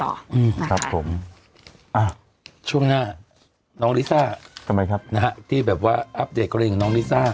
อืมครับผมอ่ะช่วงหน้าน้องลิซ่าที่แบบว่าอัพเดทกับน้องลิซ่า